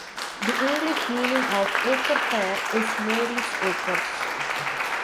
The English meaning of Acrefair is Mary's Acres.